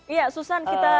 iya susan kita